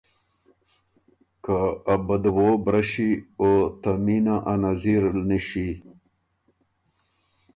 که ا بدوو برݭی او ته مینه ا نظیرل نِݭی“